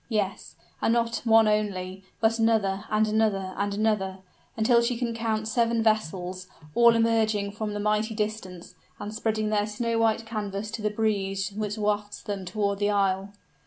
Yes; and not one only, but another, and another, and another, until she can count seven vessels, all emerging from the mighty distance, and spreading their snow white canvas to the breeze which wafts them toward the isle.